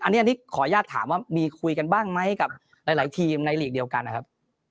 อันนี้ขออนุญาตถามว่ามีคุยกันบ้างไหมกับหลายทีมในหลีกเดียวกันนะครับ